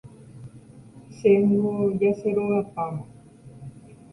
Chéngo ja cherogapáma